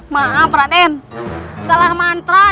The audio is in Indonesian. maaf raden salah mantra